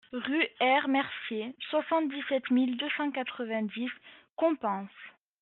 Rue R Mercier, soixante-dix-sept mille deux cent quatre-vingt-dix Compans